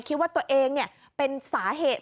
คิดว่าตัวเองเป็นสาเหตุ